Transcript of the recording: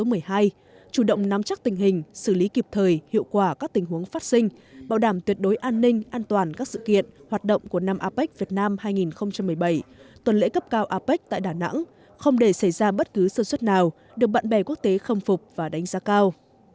đặc biệt là cơn bão số một mươi hai chủ động nắm chắc tình hình xử lý kịp thời hiệu quả các tình huống phát sinh bảo đảm tuyệt đối an ninh an toàn các sự kiện hoạt động của năm apec việt nam hai nghìn một mươi bảy tuần lễ cấp cao apec tại đà nẵng không để xảy ra bất cứ sơ xuất nào được bạn bè quốc tế khâm phục và đánh giá cao